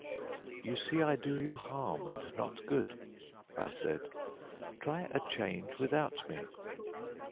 "You see I do you harm and not good," I said. "Try a change without me."